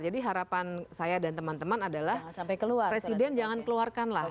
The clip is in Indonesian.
jadi harapan saya dan teman teman adalah presiden jangan keluarkan lah